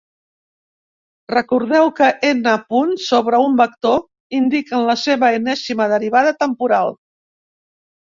Recordeu que n punts sobre un vector indiquen la seva enèsima derivada temporal.